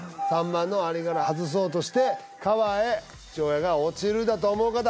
３番の針から外そうとして川へ父親が落ちるだと思う方？